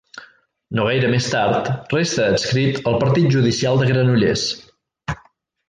No gaire més tard, resta adscrit al partit judicial de Granollers.